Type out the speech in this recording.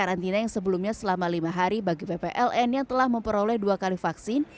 karantina yang sebelumnya selama lima hari bagi ppln yang telah memperoleh dua kali vaksin